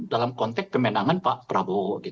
dalam konteks pemenangan pak prabowo